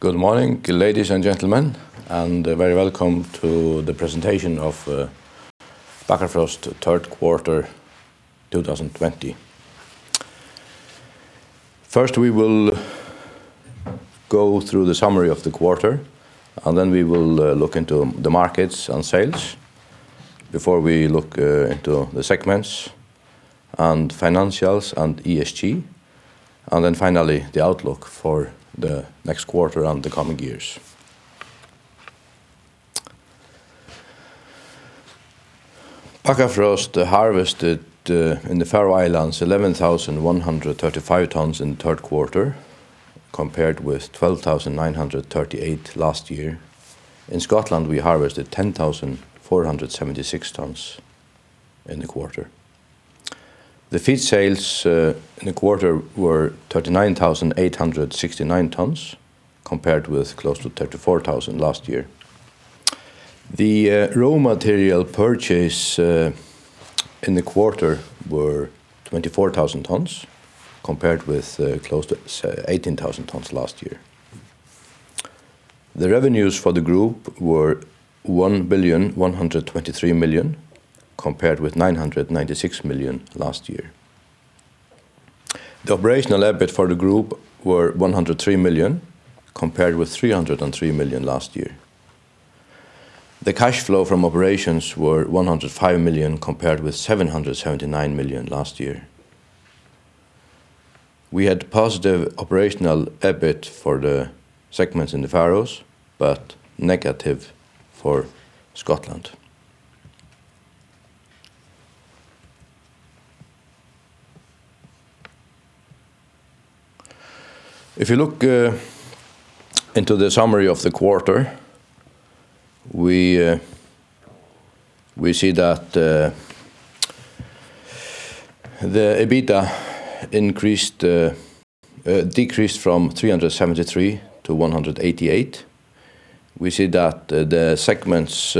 Good morning, ladies and gentlemen, very welcome to the presentation of Bakkafrost third quarter 2020. First, we will go through the summary of the quarter, and then we will look into the markets and sales before we look into the segments and financials and ESG. Finally, the outlook for the next quarter and the coming years. Bakkafrost harvested in the Faroe Islands 11,135 tons in the third quarter compared with 12,938 tons last year. In Scotland, we harvested 10,476 tons in the quarter. The feed sales in the quarter were 39,869 tons compared with close to 34,000 tons last year. The raw material purchase in the quarter were 24,000 tons compared with close to 18,000 tons last year. The revenues for the group were 1.123 billion compared with 996 million last year. The operational EBIT for the group were 103 million compared with 303 million last year. The cash flow from operations were 105 million compared with 779 million last year. We had positive operational EBIT for the segments in the Faroes but negative for Scotland. If you look into the summary of the quarter, we see that the EBITDA decreased from 373 to 188. We see that the segments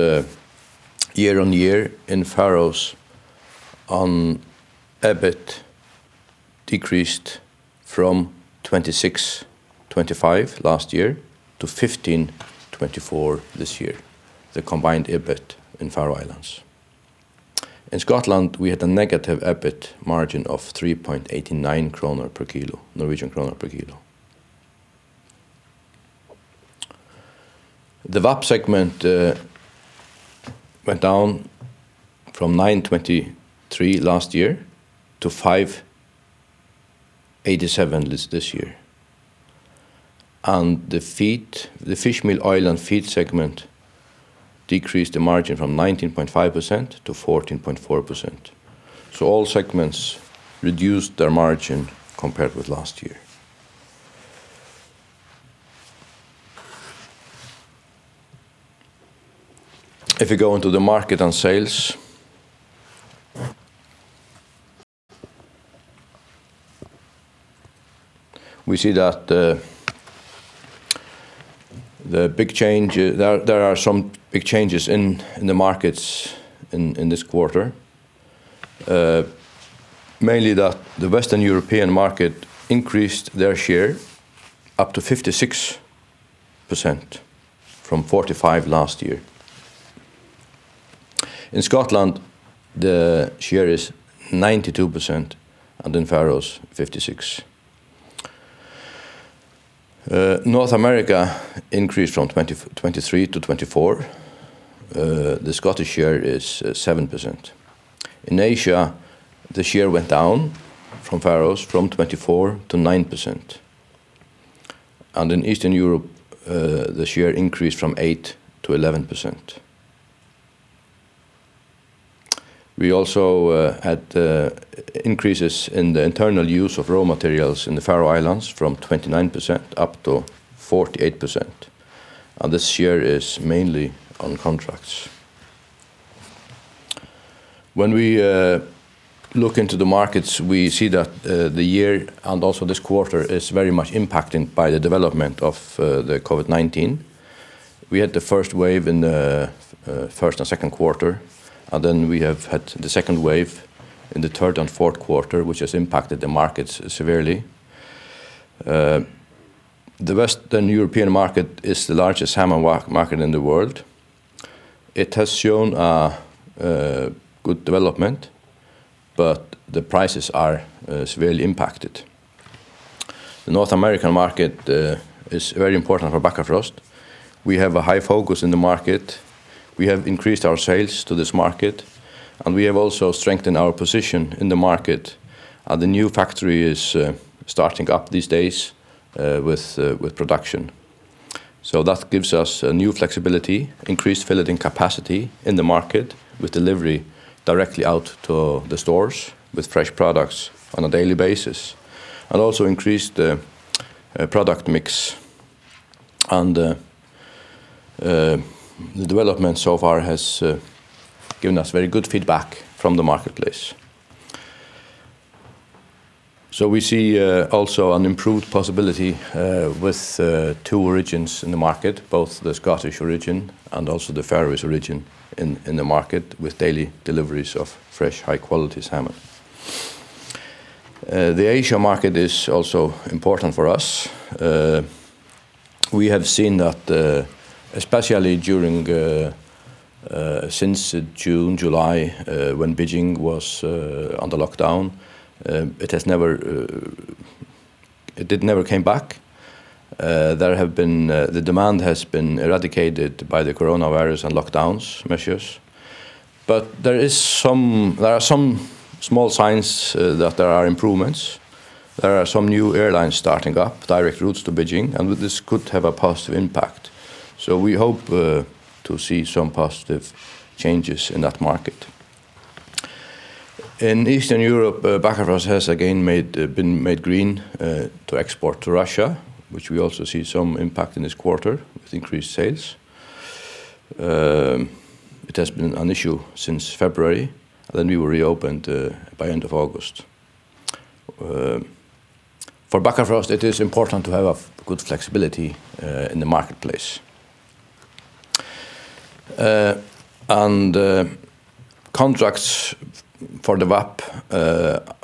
year on year in Faroes on EBIT decreased from 26.25 last year to 15.24 this year, the combined EBIT in Faroe Islands. In Scotland, we had a negative EBIT margin of 3.89 kroner per kilo. The VAP segment went down from 9.23 last year to 5.87 this year. The fishmeal, oil, and feed segment decreased the margin from 19.5% to 14.4%. All segments reduced their margin compared with last year. If you go into the market and sales, we see that there are some big changes in the markets in this quarter. Mainly that the Western European market increased their share up to 56% from 45% last year. In Scotland, the share is 92%, and in Faroes 56%. North America increased from 23% to 24%. The Scottish share is 7%. In Asia, the share went down from Faroes from 24% to 9%. In Eastern Europe, the share increased from 8% to 11%. We also had increases in the internal use of raw materials in the Faroe Islands from 29% up to 48%, and this year is mainly on contracts. When we look into the markets, we see that the year and also this quarter is very much impacted by the development of the COVID-19. We had the first wave in the first and second quarter, and then we have had the second wave in the third and fourth quarter, which has impacted the markets severely. The Western European market is the largest salmon wet market in the world. It has shown a good development, but the prices are severely impacted. The North American market is very important for Bakkafrost. We have a high focus in the market. We have increased our sales to this market, and we have also strengthened our position in the market. The new factory is starting up these days with production. That gives us a new flexibility, increased filleting capacity in the market with delivery directly out to the stores with fresh products on a daily basis, and also increased product mix. The development so far has given us very good feedback from the marketplace. We see also an improved possibility with two origins in the market, both the Scottish origin and also the Faroese origin in the market with daily deliveries of fresh, high-quality salmon. The Asia market is also important for us. We have seen that especially since June, July, when Beijing was under lockdown, it never came back. The demand has been eradicated by the coronavirus and lockdowns measures. There are some small signs that there are improvements. There are some new airlines starting up direct routes to Beijing, and this could have a positive impact. We hope to see some positive changes in that market. In Eastern Europe, Bakkafrost has again been made green to export to Russia, which we also see some impact in this quarter with increased sales. It has been an issue since February, then we were reopened by end of August. For Bakkafrost, it is important to have a good flexibility in the marketplace. Contracts for the VAP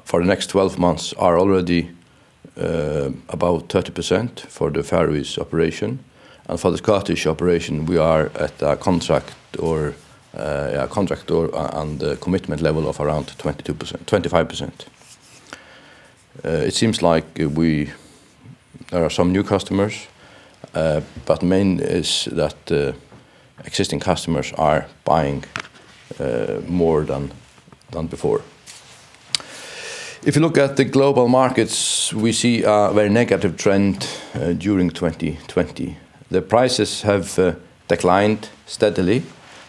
for the next 12 months are already about 30% for the Faroese operation, and for the Scottish operation, we are at a contract or on the commitment level of around 25%. It seems like there are some new customers, but main is that existing customers are buying more than before. If you look at the global markets, we see a very negative trend during 2020. The prices have declined steadily.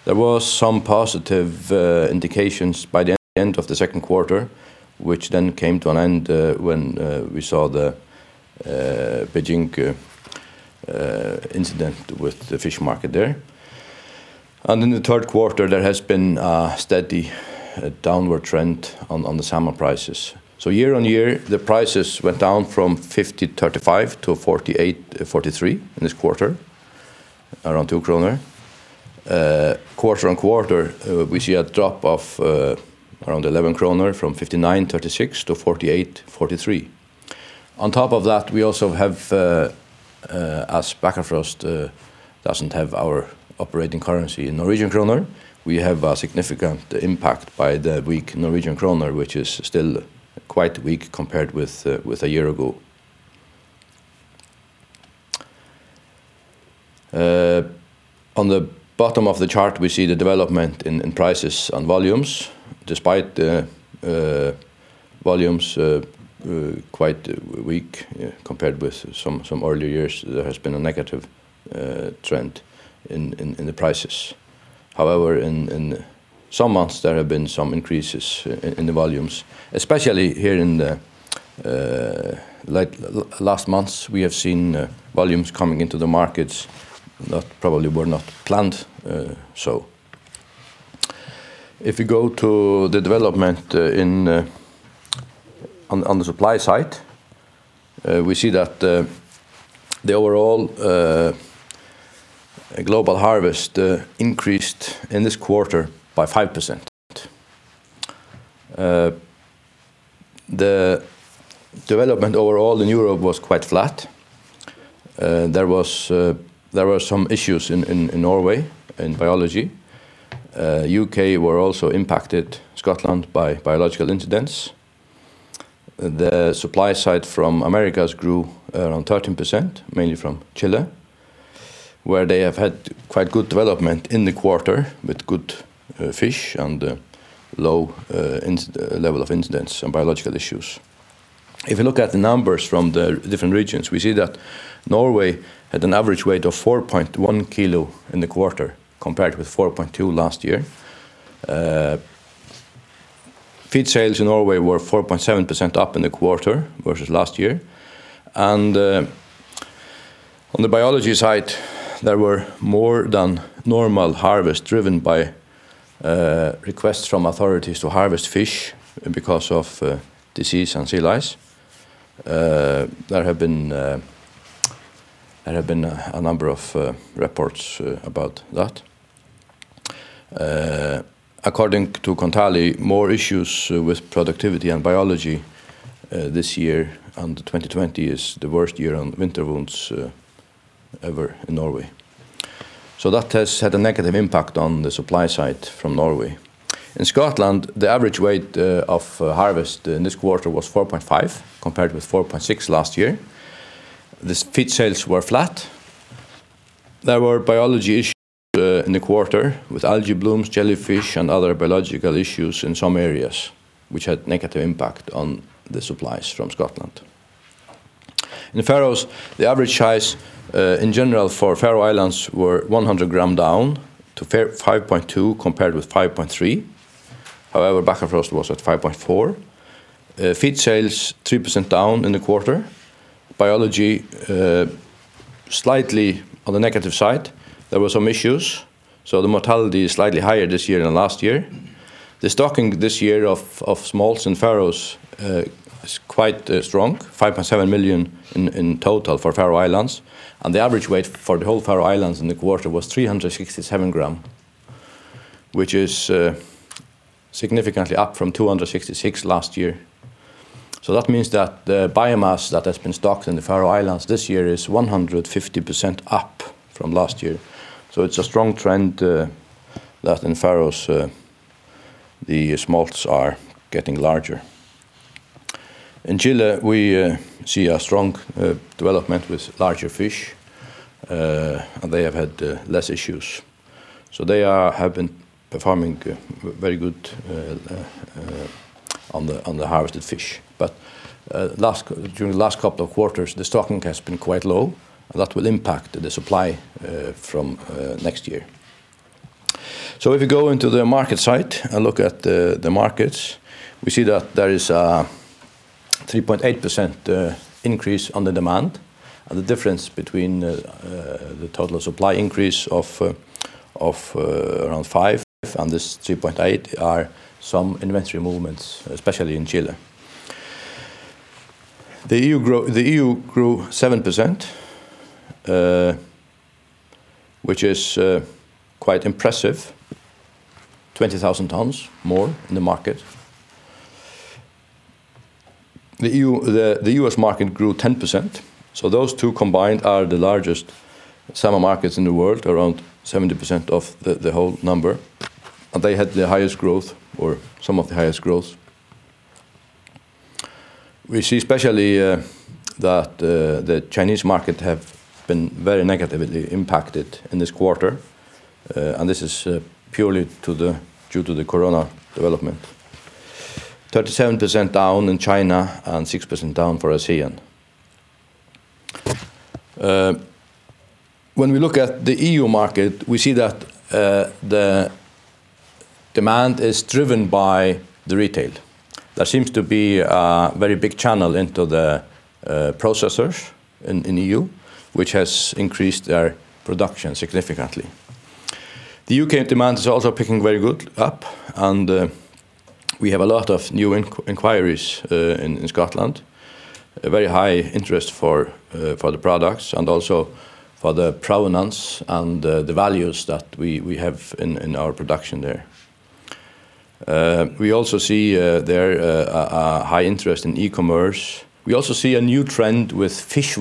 There was some positive indications by the end of the second quarter, which then came to an end when we saw the Beijing incident with the fish market there. In the third quarter, there has been a steady downward trend on the salmon prices. Year-on-year, the prices went down from 50.35 to 48.43 in this quarter, around 2 kroner. Quarter-on-quarter, we see a drop of around 11 kroner from 59.36 to 48.43. On top of that, we also have, as Bakkafrost doesn't have our operating currency in Norwegian kroner, we have a significant impact by the weak Norwegian kroner, which is still quite weak compared with a year ago. On the bottom of the chart, we see the development in prices and volumes. Despite the volumes quite weak compared with some earlier years, there has been a negative trend in the prices. In some months there have been some increases in the volumes, especially here in the last months, we have seen volumes coming into the markets that probably were not planned. If you go to the development on the supply side, we see that the overall global harvest increased in this quarter by 5%. The development overall in Europe was quite flat. There were some issues in Norway in biology. U.K. were also impacted, Scotland, by biological incidents. The supply side from Americas grew around 13%, mainly from Chile, where they have had quite good development in the quarter with good fish and low level of incidents and biological issues. If you look at the numbers from the different regions, we see that Norway had an average weight of 4.1 kg in the quarter compared with 4.2 kg last year. Feed sales in Norway were 4.7% up in the quarter versus last year. On the biology side, there were more than normal harvest driven by requests from authorities to harvest fish because of disease and sea lice. There have been a number of reports about that. According to Kontali, more issues with productivity and biology this year, and 2020 is the worst year on winter wounds ever in Norway. That has had a negative impact on the supply side from Norway. In Scotland, the average weight of harvest in this quarter was 4.5 kg compared with 4.6 kg last year. The feed sales were flat. There were biology issues in the quarter with algae blooms, jellyfish, and other biological issues in some areas, which had negative impact on the supplies from Scotland. In the Faroes, the average size in general for Faroe Islands were 100 g down to 5.2 kg compared with 5.3 kg. However, Bakkafrost was at 5.4 kg. Feed sales, 3% down in the quarter. Biology slightly on the negative side. There were some issues. The mortality is slightly higher this year than last year. The stocking this year of smolts in Faroes is quite strong, 5.7 million in total for Faroe Islands, and the average weight for the whole Faroe Islands in the quarter was 367 g, which is significantly up from 266 g last year. That means that the biomass that has been stocked in the Faroe Islands this year is 150% up from last year. It's a strong trend that in Faroes the smolts are getting larger. In Chile, we see a strong development with larger fish, and they have had less issues. They have been performing very good on the harvested fish. During the last couple of quarters, the stocking has been quite low, and that will impact the supply from next year. If we go into the market side and look at the markets, we see that there is a 3.8% increase on the demand. The difference between the total supply increase of around 5% and this 3.8% are some inventory movements, especially in Chile. The EU grew 7%, which is quite impressive, 20,000 tons more in the market. The U.S. market grew 10%. Those two combined are the largest salmon markets in the world, around 70% of the whole number, and they had the highest growth or some of the highest growths. We see especially that the Chinese market have been very negatively impacted in this quarter, and this is purely due to the corona development, 37% down in China and 6% down for ASEAN. When we look at the EU market, we see that the demand is driven by the retail. There seems to be a very big channel into the processors in EU, which has increased their production significantly. The U.K. demand is also picking very good up, we have a lot of new inquiries in Scotland, a very high interest for the products and also for the provenance and the values that we have in our production there. We also see there a high interest in e-commerce. We also see a new trend with fish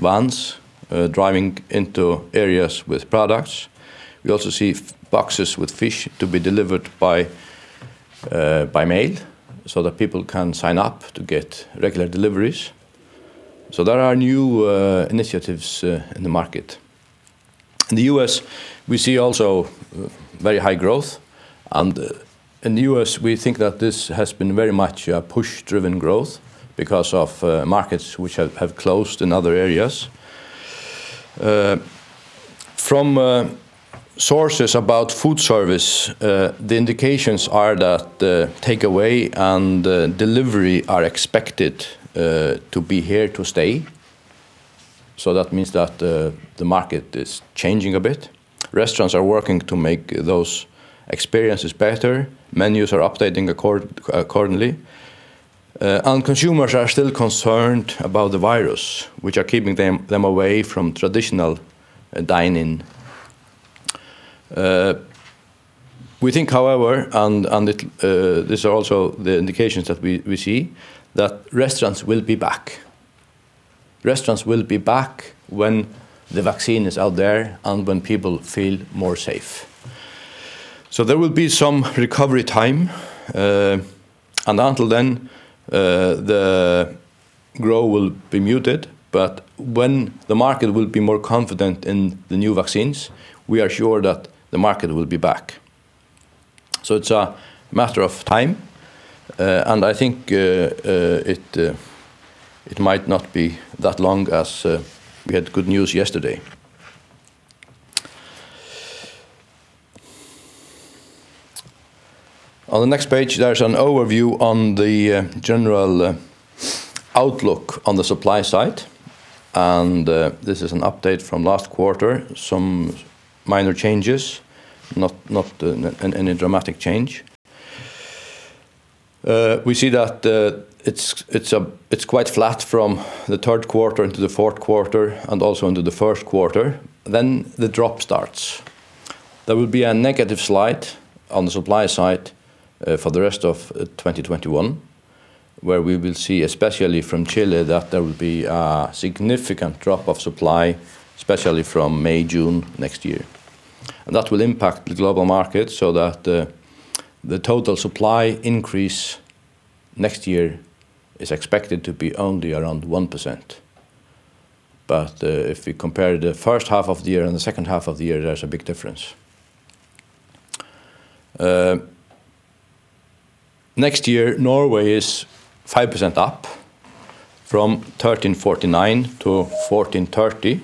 vans driving into areas with products. We also see boxes with fish to be delivered by mail so that people can sign up to get regular deliveries. There are new initiatives in the market. In the U.S., we see also very high growth, In the U.S., we think that this has been very much a push-driven growth because of markets which have closed in other areas. From sources about food service, the indications are that the takeaway and delivery are expected to be here to stay. That means that the market is changing a bit. Restaurants are working to make those experiences better, menus are updating accordingly, and consumers are still concerned about the virus, which are keeping them away from traditional dine in. We think, however, and these are also the indications that we see, that restaurants will be back. Restaurants will be back when the vaccine is out there and when people feel more safe. There will be some recovery time, and until then, the growth will be muted, but when the market will be more confident in the new vaccines, we are sure that the market will be back. It's a matter of time, and I think it might not be that long as we had good news yesterday. On the next page, there's an overview on the general outlook on the supply side, and this is an update from last quarter, some minor changes, not any dramatic change. We see that it's quite flat from the third quarter into the fourth quarter and also into the first quarter. Then the drop starts. There will be a negative slide on the supply side for the rest of 2021, where we will see, especially from Chile, that there will be a significant drop of supply, especially from May, June next year. That will impact the global market so that the total supply increase next year is expected to be only around 1%. If we compare the first half of the year and the second half of the year, there's a big difference. Next year, Norway is 5% up from 1,349 tons to 1,430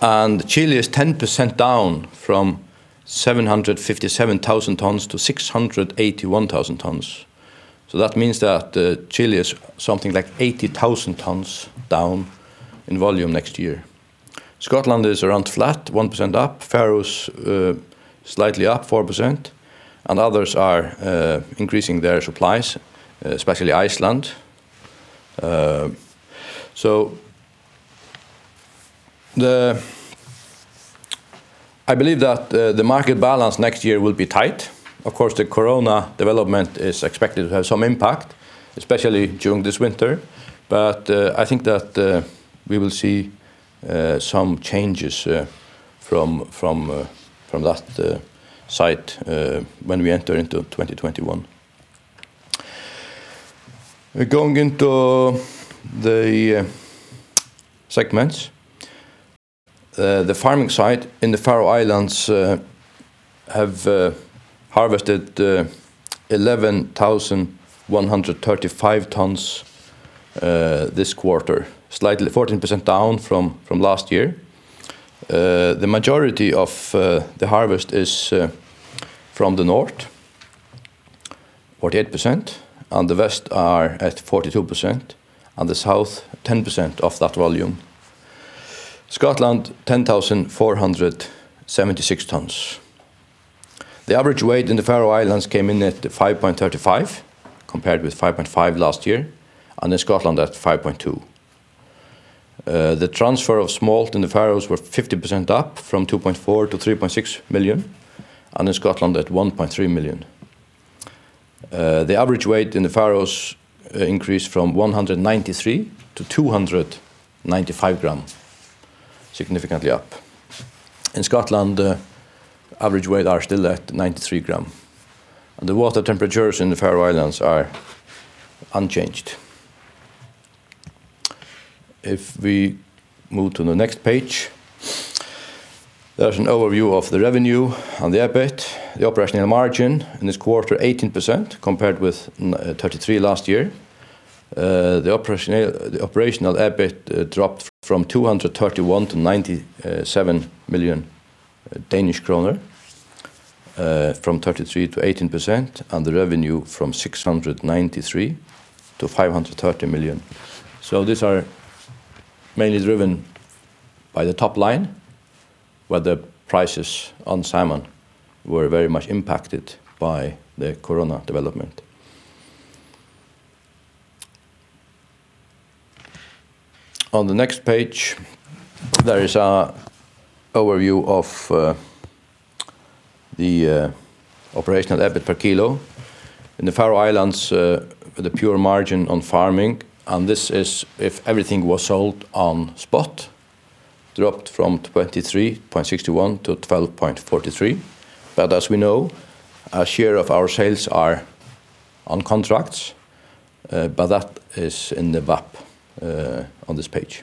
tons. Chile is 10% down from 757,000 tons to 681,000 tons. That means that Chile is something like 80,000 tons down in volume next year. Scotland is around flat, 1% up. Faroes slightly up 4%. Others are increasing their supplies, especially Iceland. I believe that the market balance next year will be tight. Of course, the corona development is expected to have some impact, especially during this winter. I think that we will see some changes from that site when we enter into 2021. Going into the segments. The farming site in the Faroe Islands have harvested 11,135 tons this quarter, slightly 14% down from last year. The majority of the harvest is from the north, 48%. The west are at 42%. The south 10% of that volume. Scotland, 10,476 tons. The average weight in the Faroe Islands came in at 5.35 kg compared with 5.5 kg last year, and in Scotland at 5.2 kg. The transfer of smolt in the Faroes were 50% up from 2.4 million to 3.6 million, and in Scotland at 1.3 million. The average weight in the Faroes increased from 193 g to 295 g, significantly up. In Scotland, average weight are still at 93 g. The water temperatures in the Faroe Islands are unchanged. If we move to the next page, there's an overview of the revenue and the EBIT. The operational margin in this quarter 18% compared with 33% last year. The operational EBIT dropped from 231 million to 97 million Danish kroner, from 33% to 18%, and the revenue from 693 million to 530 million. These are mainly driven by the top line, where the prices on salmon were very much impacted by the corona development. On the next page, there is an overview of the operational EBIT per kilo. In the Faroe Islands, the pure margin on farming, and this is if everything was sold on spot, dropped from 23.61 to 12.43. As we know, a share of our sales are on contracts, but that is in the VAP on this page.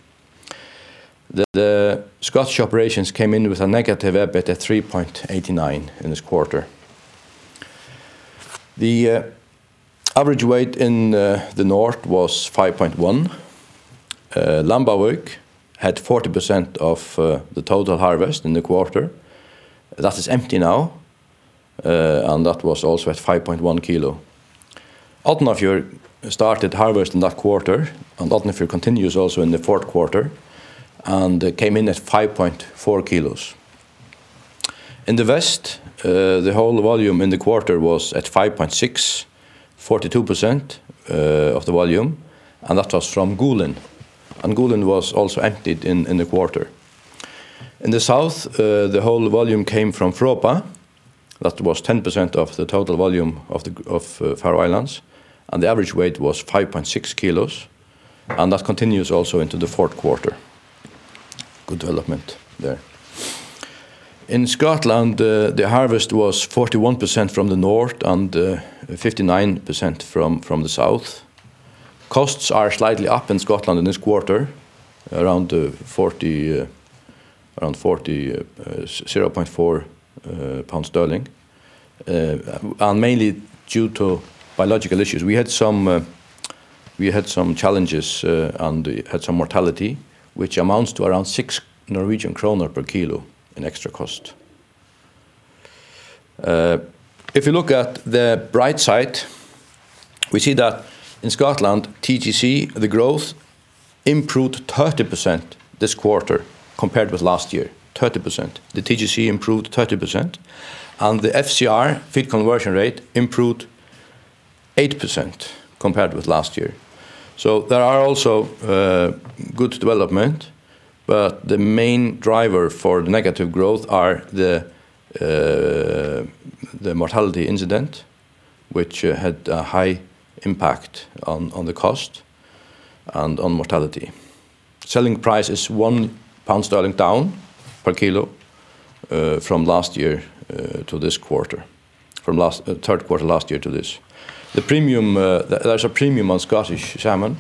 The Scottish operations came in with a negative EBIT of 3.89 in this quarter. The average weight in the north was 5.1 kg. Lambavík had 40% of the total harvest in the quarter. That is empty now, and that was also at 5.1 kg. Árnafjørður started harvest in that quarter, and Árnafjørður continues also in the fourth quarter and came in at 5.4 kg. In the west, the whole volume in the quarter was at 5.6 kg, 42% of the volume, and that was from Gulin. Gulin was also emptied in the quarter. In the south, the whole volume came from Froðba. That was 10% of the total volume of Faroe Islands, and the average weight was 5.6 kg, and that continues also into the fourth quarter. Good development there. In Scotland, the harvest was 41% from the north and 59% from the south. Costs are slightly up in Scotland in this quarter, around 0.4 pounds. Mainly due to biological issues. We had some challenges, and we had some mortality, which amounts to around 6 Norwegian kroner per kilo in extra cost. If you look at the bright side, we see that in Scotland, TGC, the growth improved 30% this quarter compared with last year. 30%. The TGC improved 30%, and the FCR, feed conversion rate, improved 8% compared with last year. There are also good development, but the main driver for the negative growth are the mortality incident, which had a high impact on the cost and on mortality. Selling price is 1 pound down per kilo from last year to this quarter, from third quarter last year to this. There's a premium on Scottish salmon,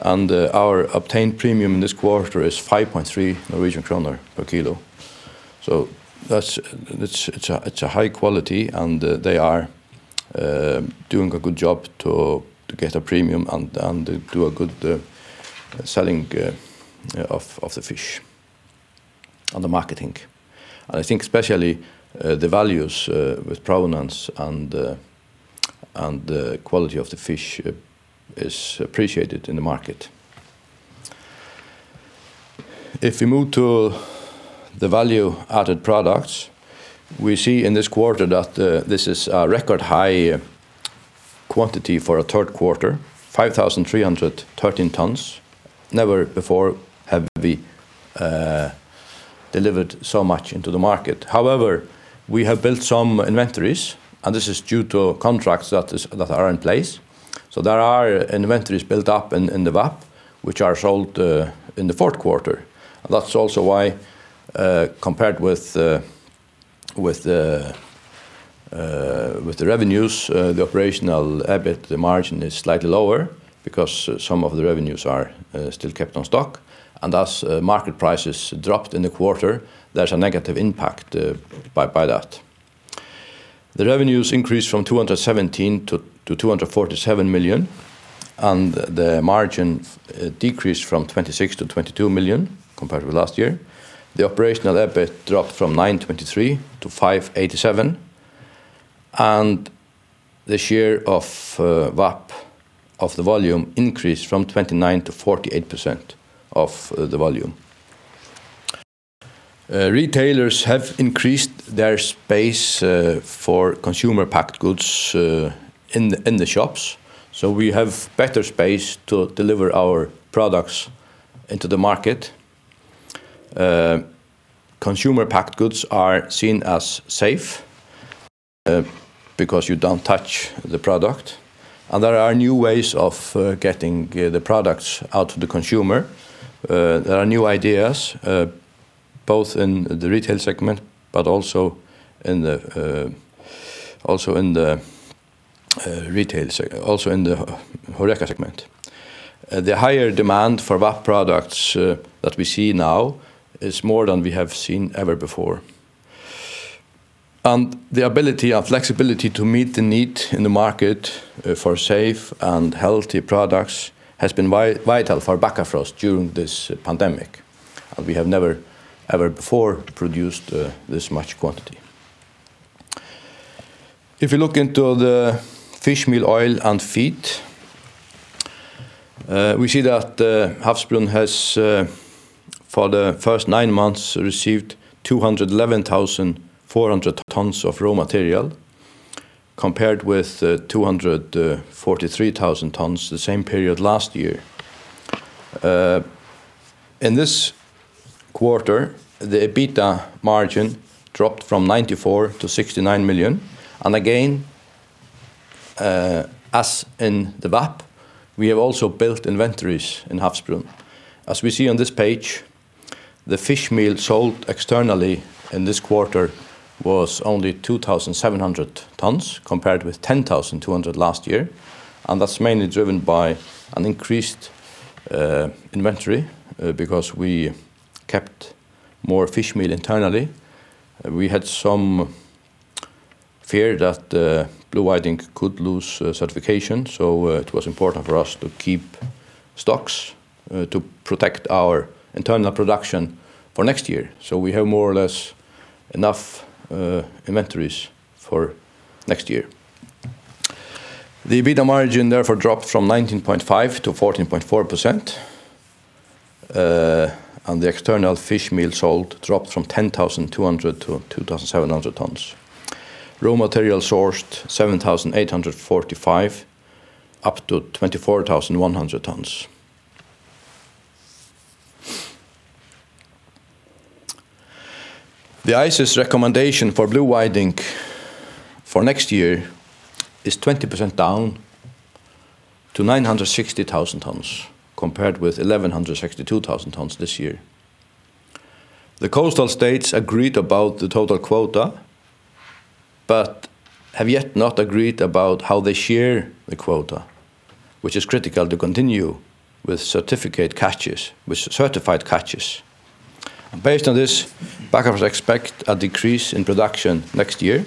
and our obtained premium in this quarter is 5.3 Norwegian kroner per kilo. It's a high quality, and they are doing a good job to get a premium and do a good selling of the fish on the marketing. I think especially the values with provenance and the quality of the fish is appreciated in the market. If we move to the Value-Added Products, we see in this quarter that this is a record high quantity for a third quarter, 5,313 tons. Never before have we delivered so much into the market. However, we have built some inventories. This is due to contracts that are in place. There are inventories built up in the VAP, which are sold in the fourth quarter. That's also why, compared with the revenues, the operational EBIT, the margin is slightly lower because some of the revenues are still kept on stock. As market prices dropped in the quarter, there's a negative impact by that. The revenues increased from 217 million to 247 million. The margin decreased from 26 million to 22 million compared with last year. The operational EBIT dropped from 9.23 to 5.87. The share of VAP of the volume increased from 29% to 48% of the volume. Retailers have increased their space for consumer-packed goods in the shops. We have better space to deliver our products into the market. Consumer-packed goods are seen as safe because you don't touch the product. There are new ways of getting the products out to the consumer. There are new ideas both in the retail segment, but also in the HoReCa segment. The higher demand for VAP products that we see now is more than we have seen ever before. The ability and flexibility to meet the need in the market for safe and healthy products has been vital for Bakkafrost during this pandemic. We have never, ever before produced this much quantity. If you look into the fishmeal, oil, and feed, we see that Havsbrún has, for the first nine months, received 211,400 tons of raw material compared with 243,000 tons the same period last year. In this quarter, the EBITDA margin dropped from 94 million to 69 million, again, as in the VAP, we have also built inventories in Havsbrún. As we see on this page, the fishmeal sold externally in this quarter was only 2,700 tons compared with 10,200 tons last year. That's mainly driven by an increased inventory because we kept more fishmeal internally. We had some fear that the blue whiting could lose certification, so it was important for us to keep stocks to protect our internal production for next year. We have more or less enough inventories for next year. The EBITDA margin, therefore, dropped from 19.5% to 14.4%, and the external fishmeal sold dropped from 10,200 tons to 2,700 tons. Raw material sourced 7,845 tons up to 24,100 tons. The ICES recommendation for blue whiting for next year is 20% down to 960,000 tons compared with 1,162,000 tons this year. The coastal states agreed about the total quota but have yet not agreed about how they share the quota, which is critical to continue with certified catches. Based on this, Bakkafrost expect a decrease in production next year.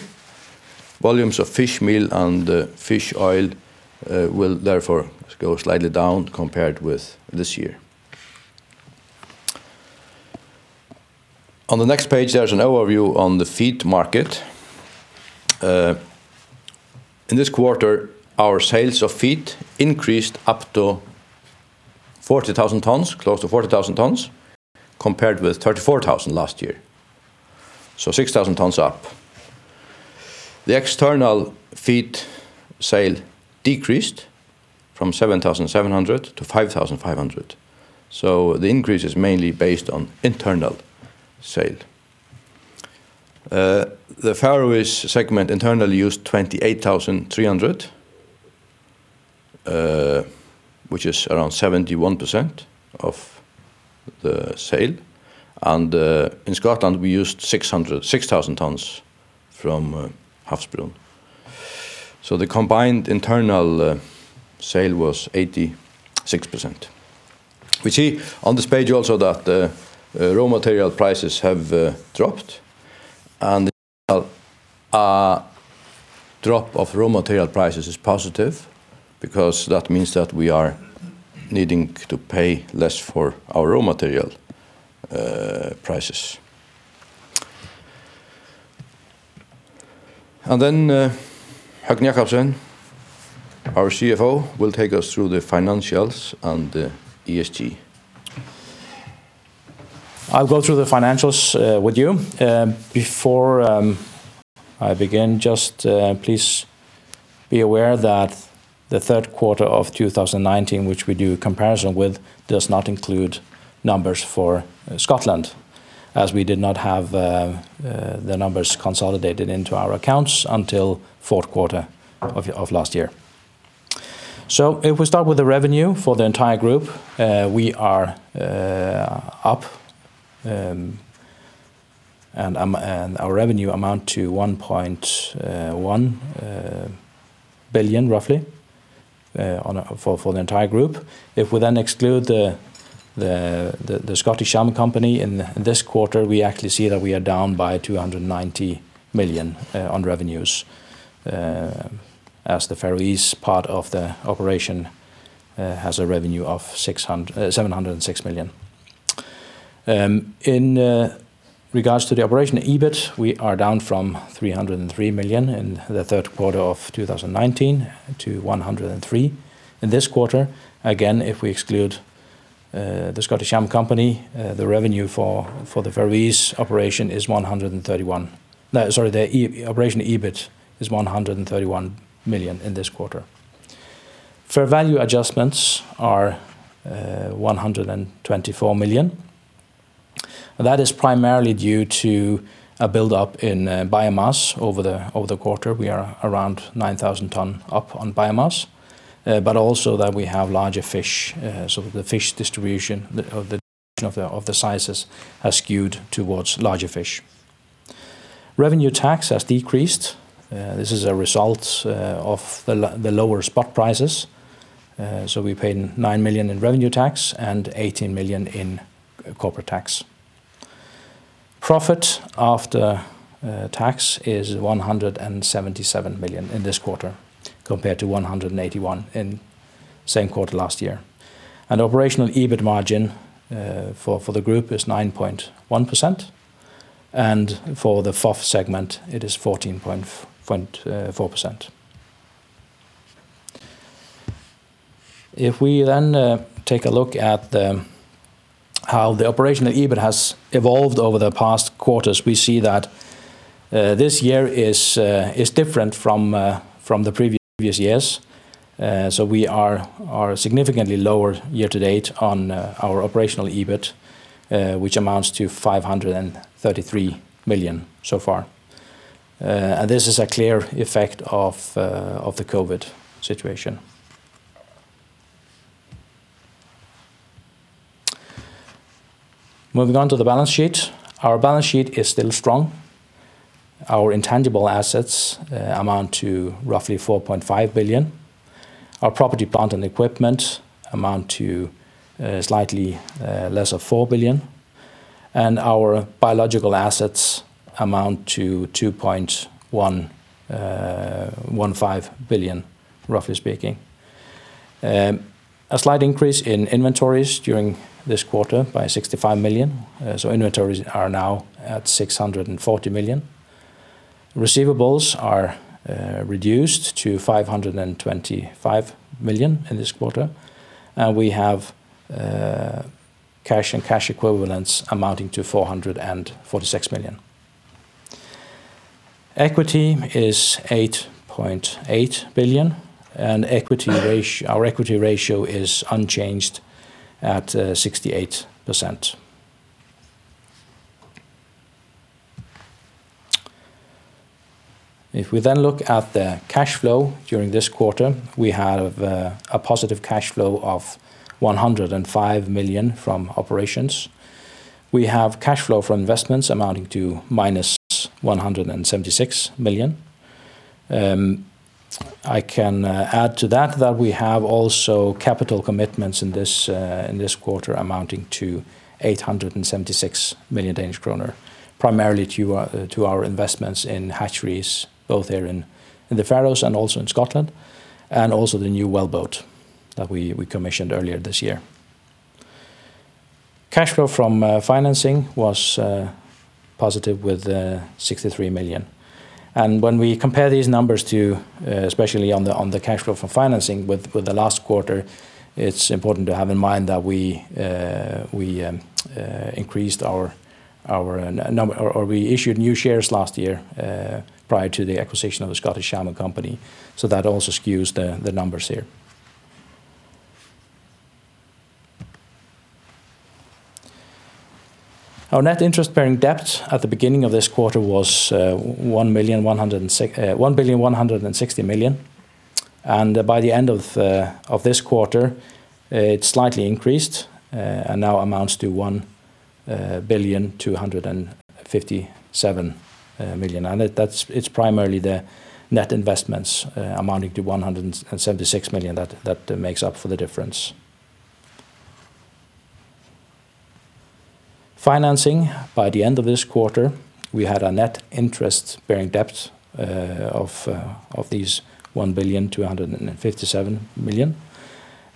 Volumes of fishmeal and fish oil will, therefore, go slightly down compared with this year. On the next page, there's an overview on the feed market. In this quarter, our sales of feed increased up to 40,000 tons, close to 40,000 tons, compared with 34,000 tons last year, 6,000 tons up. The external feed sale decreased from 7,700 tons to 5,500 tons, the increase is mainly based on internal sale. The Faroese segment internally used 28,300 tons, which is around 71% of the sale. In Scotland, we used 6,000 tons from Havsbrún. The combined internal sale was 86%. We see on this page also that raw material prices have dropped. A drop of raw material prices is positive because that means that we are needing to pay less for our raw material prices. Then, Høgni Jakobsen, our CFO, will take us through the financials and the ESG. I'll go through the financials with you. Before I begin, just please be aware that the third quarter of 2019, which we do a comparison with, does not include numbers for Scotland, as we did not have the numbers consolidated into our accounts until fourth quarter of last year. If we start with the revenue for the entire group, we are up, and our revenue amount to 1.1 billion, roughly, for the entire group. If we exclude The Scottish Salmon Company in this quarter, we actually see that we are down by 290 million on revenues, as the Faroese part of the operation has a revenue of 706 million. In regards to the operation EBIT, we are down from 303 million in the third quarter of 2019 to 103 million in this quarter. If we exclude The Scottish Salmon Company, the operation EBIT is 131 million in this quarter. Fair value adjustments are 124 million. That is primarily due to a buildup in biomass over the quarter. We are around 9,000 tons up on biomass, but also that we have larger fish. The fish distribution of the sizes has skewed towards larger fish. Revenue tax has decreased. This is a result of the lower spot prices. We paid 9 million in revenue tax and 18 million in corporate tax. Profit after tax is 177 million in this quarter, compared to 181 million in same quarter last year. Operational EBIT margin for the group is 9.1%, and for the FOF segment, it is 14.4%. If we take a look at how the operational EBIT has evolved over the past quarters, we see that this year is different from the previous years. We are significantly lower year to date on our operational EBIT, which amounts to 533 million so far. This is a clear effect of the COVID situation. Moving on to the balance sheet. Our balance sheet is still strong. Our intangible assets amount to roughly 4.5 billion. Our property, plant, and equipment amount to slightly less of 4 billion. Our biological assets amount to 2.15 billion, roughly speaking. A slight increase in inventories during this quarter by 65 million. Inventories are now at 640 million. Receivables are reduced to 525 million in this quarter. We have cash and cash equivalents amounting to 446 million. Equity is 8.8 billion, and our equity ratio is unchanged at 68%. If we look at the cash flow during this quarter, we have a positive cash flow of 105 million from operations. We have cash flow from investments amounting to -176 million. I can add to that we have also capital commitments in this quarter amounting to 876 million Danish kroner, primarily to our investments in hatcheries, both here in the Faroes and also in Scotland, and also the new well boat that we commissioned earlier this year. Cash flow from financing was positive with 63 million. When we compare these numbers to, especially on the cash flow from financing with the last quarter, it's important to have in mind that we increased our number, or we issued new shares last year prior to the acquisition of The Scottish Salmon Company. That also skews the numbers here. Our net interest-bearing debt at the beginning of this quarter was 1.16 billion. By the end of this quarter, it slightly increased and now amounts to 1.257 billion. It is primarily the net investments amounting to 176 million that makes up for the difference. Financing, by the end of this quarter, we had a net interest-bearing debt of 1.257 billion.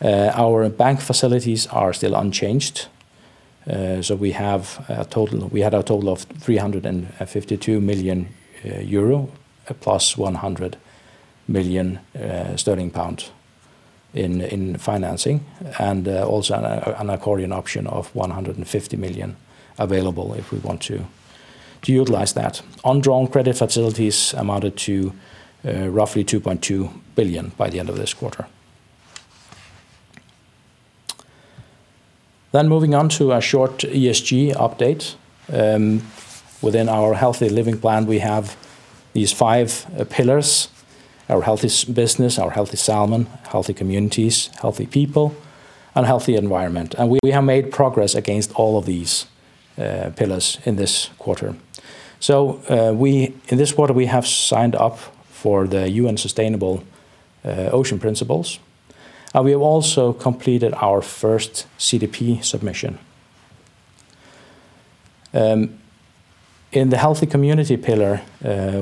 Our bank facilities are still unchanged. We had a total of 352 million euro plus 100 million sterling in financing, and also an accordion option of 150 million available if we want to utilize that. Undrawn credit facilities amounted to roughly 2.2 billion by the end of this quarter. Moving on to a short ESG update. Within our healthy living plan, we have these five pillars: our healthy business, our healthy salmon, healthy communities, healthy people, and healthy environment. We have made progress against all of these pillars in this quarter. In this quarter, we have signed up for the UN Sustainable Ocean Principles, and we have also completed our first CDP submission. In the healthy community pillar,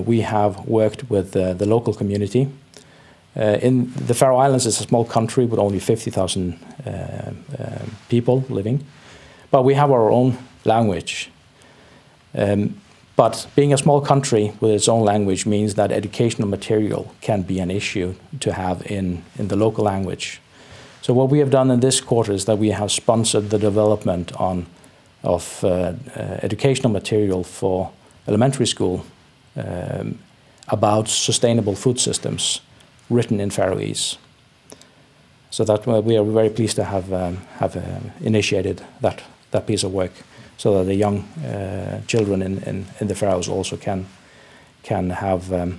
we have worked with the local community. The Faroe Islands is a small country with only 50,000 people living, but we have our own language. Being a small country with its own language means that educational material can be an issue to have in the local language. What we have done in this quarter is that we have sponsored the development of educational material for elementary school about sustainable food systems written in Faroese. We are very pleased to have initiated that piece of work so that the young children in the Faroes also can have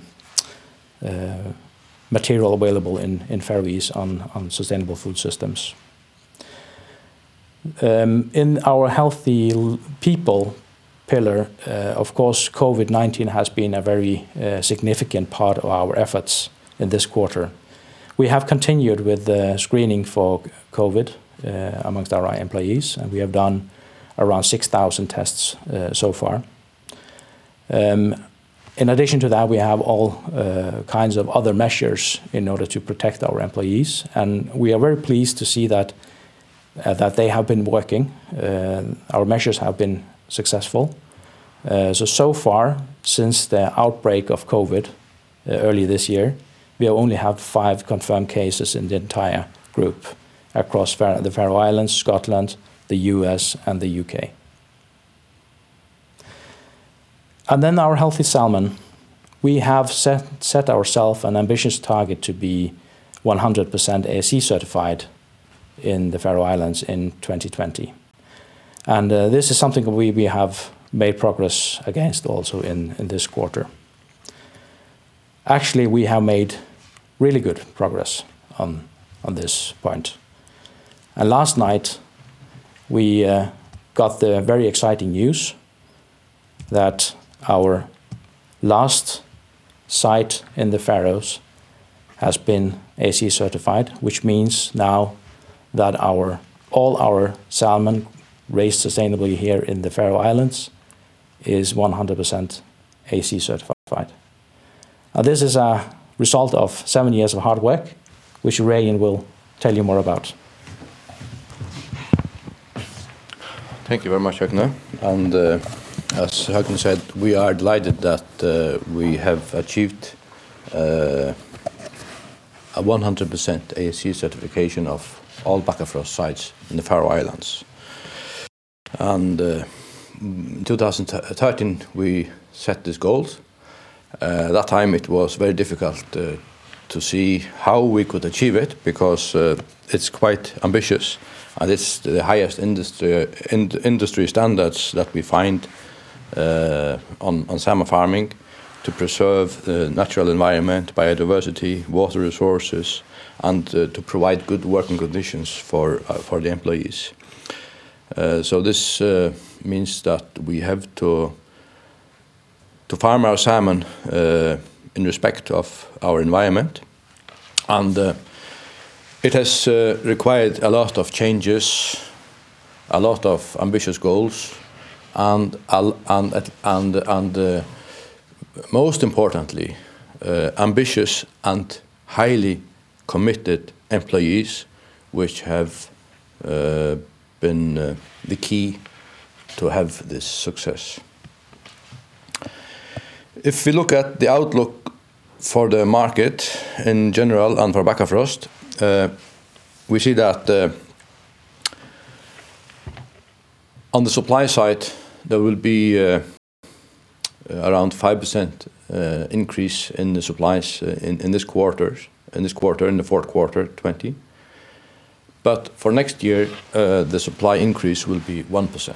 material available in Faroese on sustainable food systems. In our healthy people pillar, of course, COVID-19 has been a very significant part of our efforts in this quarter. We have continued with the screening for COVID amongst our employees, and we have done around 6,000 tests so far. In addition to that, we have all kinds of other measures in order to protect our employees, and we are very pleased to see that they have been working. Our measures have been successful. So far since the outbreak of COVID early this year, we have only had five confirmed cases in the entire group across the Faroe Islands, Scotland, the U.S., and the U.K. Then our healthy salmon. We have set ourself an ambitious target to be 100% ASC certified in the Faroe Islands in 2020. This is something we have made progress against also in this quarter. Actually, we have made really good progress on this point. Last night, we got the very exciting news that our last site in the Faroes has been ASC certified, which means now that all our salmon raised sustainably here in the Faroe Islands is 100% ASC certified. This is a result of seven years of hard work, which Regin will tell you more about. Thank you very much, Høgni. As Høgni said, we are delighted that we have achieved a 100% ASC certification of all Bakkafrost sites in the Faroe Islands. In 2013, we set this goal. At that time, it was very difficult to see how we could achieve it because it's quite ambitious, and it's the highest industry standards that we find on salmon farming to preserve the natural environment, biodiversity, water resources, and to provide good working conditions for the employees. This means that we have to farm our salmon in respect of our environment, and it has required a lot of changes, a lot of ambitious goals, and most importantly, ambitious and highly committed employees, which have been the key to have this success. If we look at the outlook for the market in general and for Bakkafrost, we see that on the supply side, there will be around 5% increase in the supplies in this quarter, in the fourth quarter 2020. For next year, the supply increase will be 1%,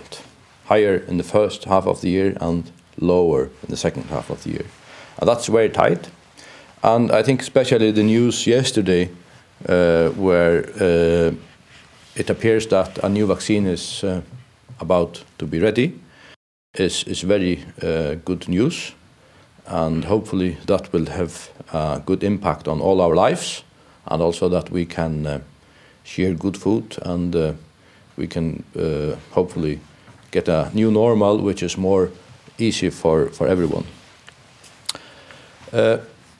higher in the first half of the year and lower in the second half of the year. That's very tight, and I think especially the news yesterday where it appears that a new vaccine is about to be ready is very good news, and hopefully that will have a good impact on all our lives, and also that we can share good food and we can hopefully get a new normal, which is more easy for everyone.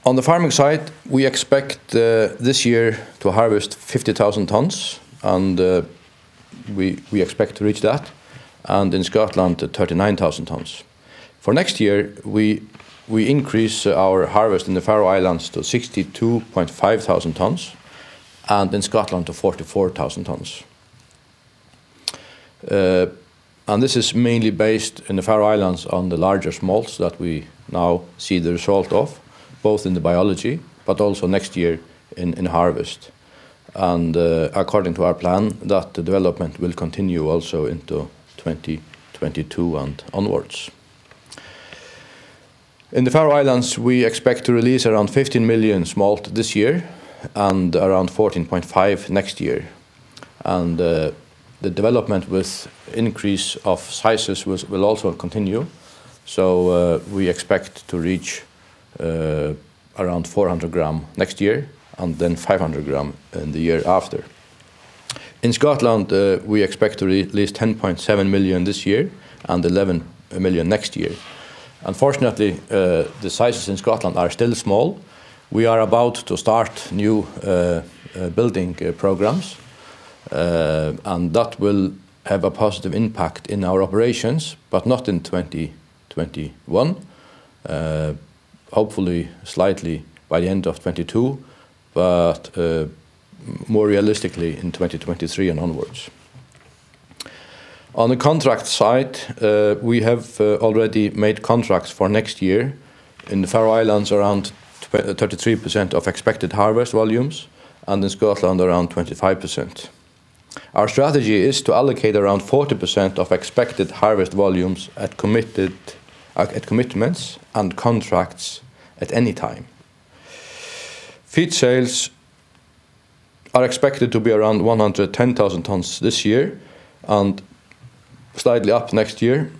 On the farming side, we expect this year to harvest 50,000 tons, and we expect to reach that, and in Scotland 39,000 tons. For next year, we increase our harvest in the Faroe Islands to 62,500 tons and in Scotland to 44,000 tons. This is mainly based in the Faroe Islands on the larger smolts that we now see the result of, both in the biology, but also next year in harvest. According to our plan, that development will continue also into 2022 and onwards. In the Faroe Islands, we expect to release around 15 million smolt this year and around 14.5 million next year. The development with increase of sizes will also continue. We expect to reach around 400 g next year and then 500 g in the year after. In Scotland, we expect to release 10.7 million this year and 11 million next year. Unfortunately, the sizes in Scotland are still small. We are about to start new building programs, and that will have a positive impact in our operations, but not in 2021. Hopefully, slightly by the end of 2022, but more realistically in 2023 and onwards. On the contract side, we have already made contracts for next year. In the Faroe Islands, around 33% of expected harvest volumes, and in Scotland, around 25%. Our strategy is to allocate around 40% of expected harvest volumes at commitments and contracts at any time. Feed sales are expected to be around 110,000 tons this year and slightly up next year,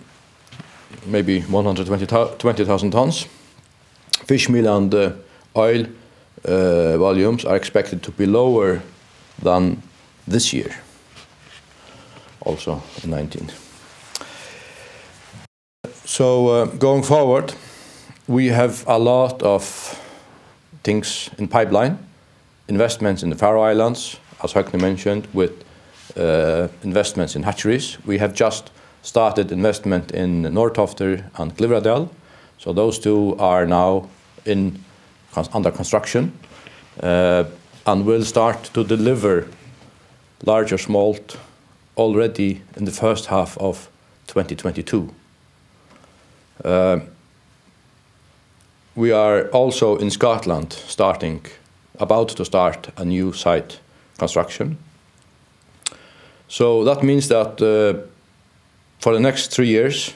maybe 120,000 tons. Fishmeal and oil volumes are expected to be lower than this year, also in 2019. Going forward, we have a lot of things in pipeline. Investments in the Faroe Islands, as Høgni mentioned, with investments in hatcheries. We have just started investment in Norðtoftir and Glyvradal. Those two are now under construction, and will start to deliver larger smolt already in the first half of 2022. We are also in Scotland, about to start a new site construction. That means that for the next three years,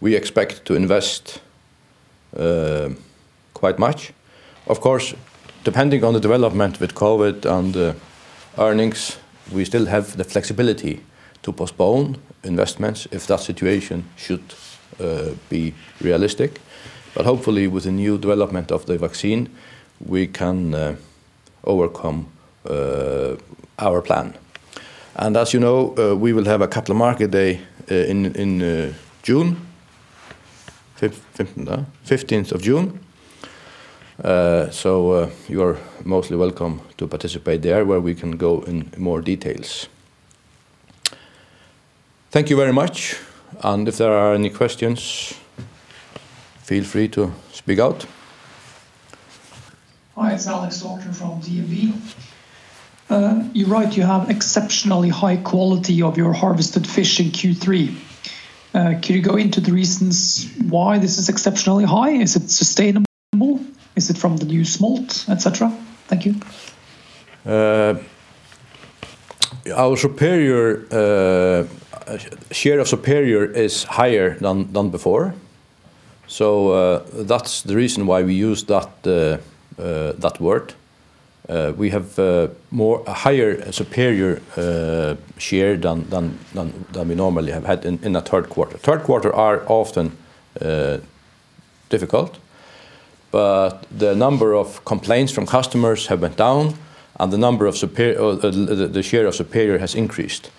we expect to invest quite much. Of course, depending on the development with COVID and the earnings, we still have the flexibility to postpone investments if that situation should be realistic. Hopefully, with the new development of the vaccine, we can overcome our plan. As you know, we will have a capital market day in June. 15th? 15th of June. You are mostly welcome to participate there, where we can go in more details. Thank you very much. If there are any questions, feel free to speak out. Hi, it's Alexander from DNB. You write you have exceptionally high quality of your harvested fish in Q3. Can you go into the reasons why this is exceptionally high? Is it sustainable? Is it from the new smolt, et cetera? Thank you. Share of superior is higher than before. That's the reason why we use that word. We have a higher superior share than we normally have had in a third quarter. Third quarter are often difficult. The number of complaints from customers have went down, and the share of superior has increased.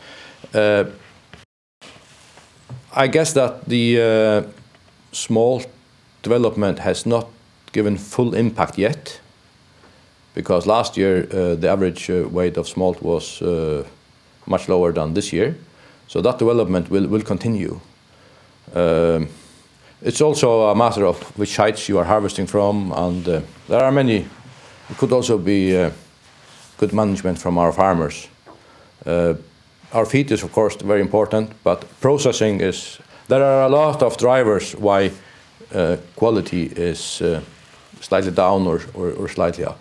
I guess that the smolt development has not given full impact yet because last year, the average weight of smolt was much lower than this year. That development will continue. It's also a matter of which sites you are harvesting from, and there are many. It could also be good management from our farmers. Our feed is, of course, very important. There are a lot of drivers why quality is slightly down or slightly up.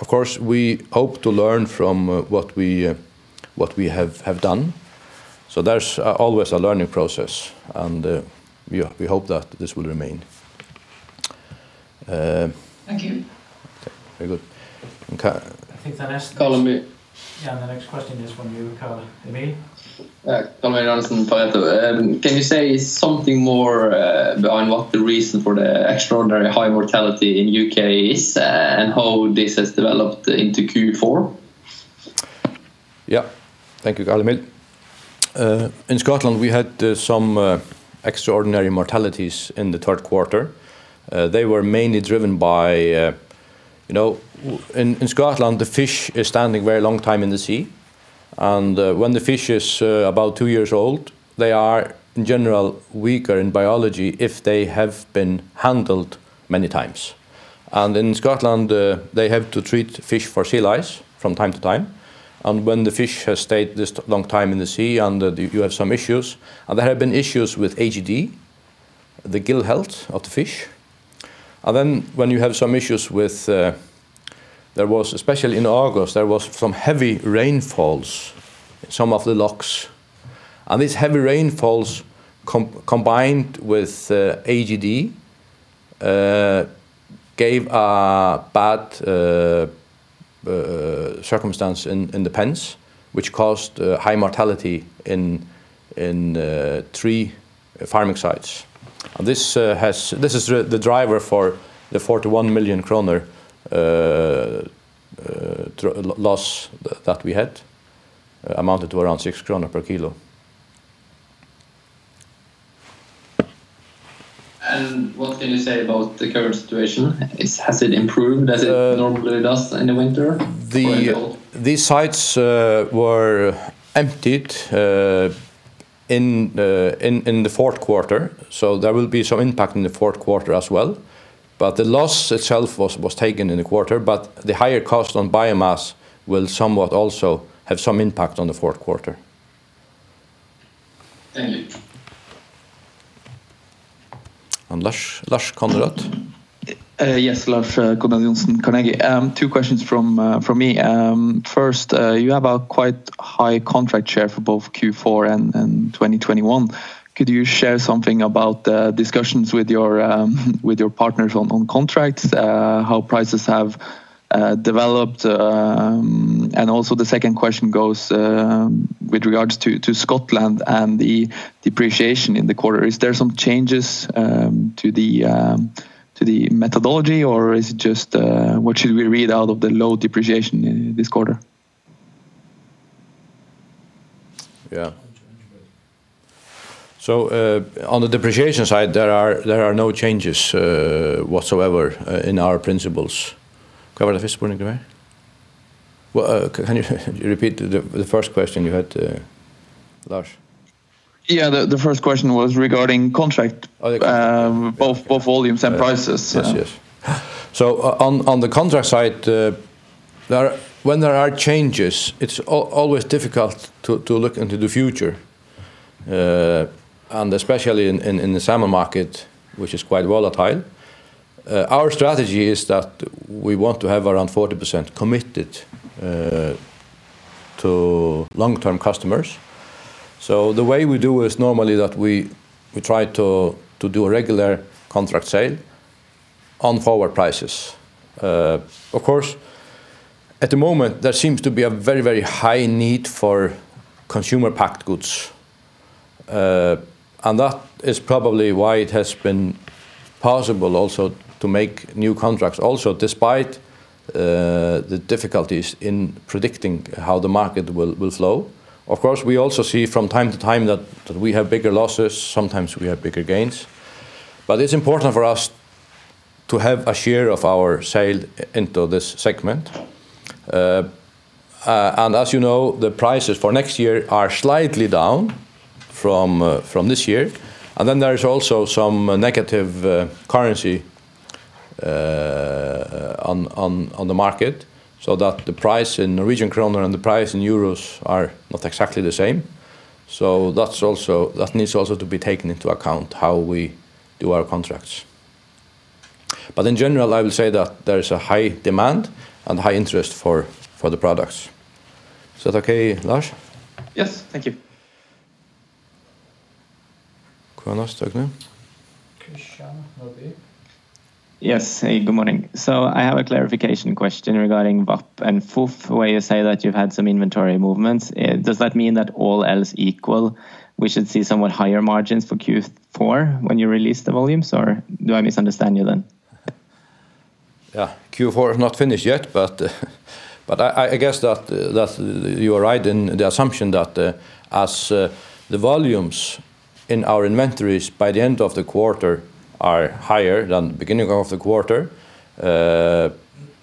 Of course, we hope to learn from what we have done. There's always a learning process, and we hope that this will remain. Thank you. Very good. I think the last column. Carl-Emil. Yeah, the next question is from you, Carl-Emil. Can you say something more behind what the reason for the extraordinary high mortality in U.K. is, and how this has developed into Q4? Yeah. Thank you, Carl-Emil. In Scotland, we had some extraordinary mortalities in the third quarter. They were mainly driven by. In Scotland, the fish is standing very long time in the sea. When the fish is about two years old, they are, in general, weaker in biology if they have been handled many times. In Scotland, they have to treat fish for sea lice from time to time. When the fish has stayed this long time in the sea, you have some issues, and there have been issues with AGD, the gill health of the fish. Especially in August, there was some heavy rainfalls in some of the lochs. These heavy rainfalls combined with AGD gave a bad circumstance in the pens, which caused high mortality in three farming sites. This is the driver for the 41 million kroner loss that we had, amounted to around 6 kroner per kilo. What can you say about the current situation? Has it improved as it normally does in the winter? These sites were emptied in the fourth quarter, so there will be some impact in the fourth quarter as well. The loss itself was taken in the quarter, but the higher cost on biomass will somewhat also have some impact on the fourth quarter. Thank you. Lars Konrad. Yes. Lars Konrad Johnsen, Carnegie. Two questions from me. First, you have a quite high contract share for both Q4 and 2021. Could you share something about the discussions with your partners on contracts, how prices have developed? Also the second question goes with regards to Scotland and the depreciation in the quarter. Is there some changes to the methodology, or is it just what should we read out of the low depreciation in this quarter? Yeah. On the depreciation side, there are no changes whatsoever in our principles. Can I have the first one again? Can you repeat the first question you had, Lars? Yeah, the first question was regarding contract. Both volumes and prices. Right. Yes, yes. On the contract side, when there are changes, it's always difficult to look into the future, and especially in the salmon market, which is quite volatile. Our strategy is that we want to have around 40% committed to long-term customers. The way we do is normally that we try to do a regular contract sale on forward prices. Of course, at the moment, there seems to be a very high need for consumer packed goods. That is probably why it has been possible also to make new contracts, also despite the difficulties in predicting how the market will flow. Of course, we also see from time to time that we have bigger losses, sometimes we have bigger gains. It's important for us to have a share of our sale into this segment. As you know, the prices for next year are slightly down from this year. Then there is also some negative currency on the market, so that the price in Norwegian kroner and the price in euros are not exactly the same. That needs also to be taken into account how we do our contracts. In general, I will say that there is a high demand and high interest for the products. Is that okay, Lars? Yes. Thank you. Who else do we have? Christian Nordby. Yes. Hey, good morning. I have a clarification question regarding VAP and FOF, where you say that you've had some inventory movements. Does that mean that all else equal, we should see somewhat higher margins for Q4 when you release the volumes, or do I misunderstand you then? Yeah. Q4 is not finished yet, but I guess that you are right in the assumption that as the volumes in our inventories by the end of the quarter are higher than the beginning of the quarter.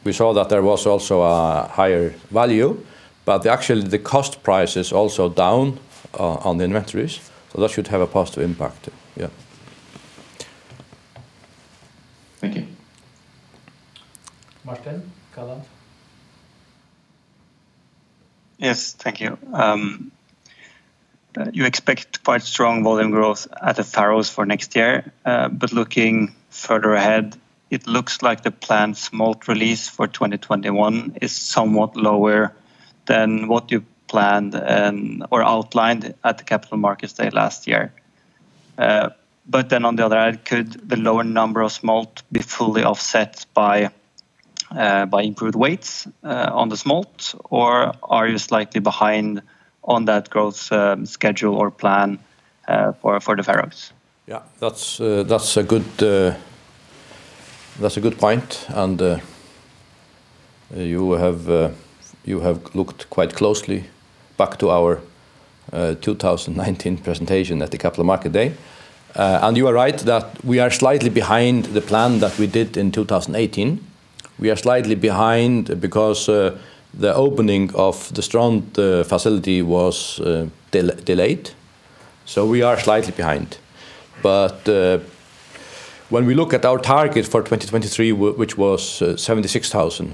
We saw that there was also a higher value, but actually, the cost price is also down on the inventories, so that should have a positive impact. Yeah. Thank you. Martin Kaland. Yes. Thank you. You expect quite strong volume growth at the Faroes for next year. Looking further ahead, it looks like the planned smolt release for 2021 is somewhat lower than what you planned and, or outlined at the Capital Markets Day last year. On the other hand, could the lower number of smolt be fully offset by improved weights on the smolt? Are you slightly behind on that growth schedule or plan for the Faroes? That's a good point. You have looked quite closely back to our 2019 presentation at the Capital Market Day. You are right that we are slightly behind the plan that we did in 2018. We are slightly behind because the opening of the Strond facility was delayed. We are slightly behind. When we look at our target for 2023, which was 76,000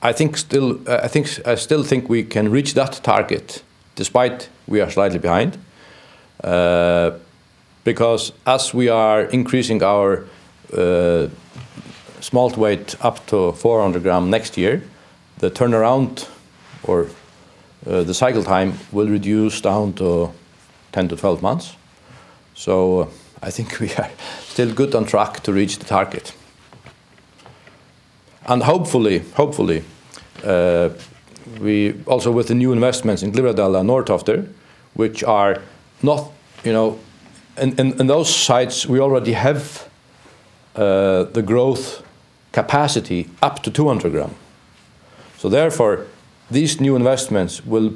tons, I still think we can reach that target despite we are slightly behind. As we are increasing our smolt weight up to 400 g next year, the turnaround or the cycle time will reduce down to 10-12 months. I think we are still good on track to reach the target. Hopefully, also with the new investments in Glyvradal and Norðtoftir, in those sites, we already have the growth capacity up to 200 g. Therefore, these new investments will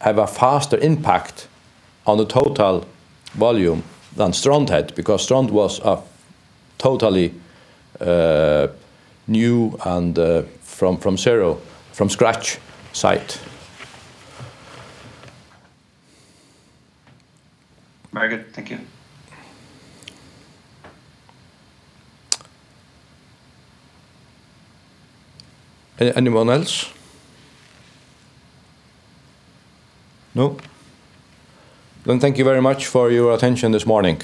have a faster impact on the total volume than Strond had, because Strond was a totally new and from scratch site. Very good. Thank you. Anyone else? No. Thank you very much for your attention this morning.